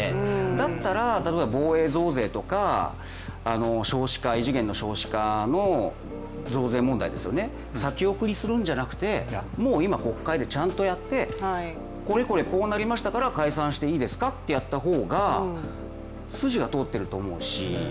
だったら、例えば防衛増税とか、異次元の少子化の増税問題先送りするんじゃなくてもう今国会でちゃんとやって、これこれこうなりましたから解散していいですかとやった方が筋が通っていると思うし。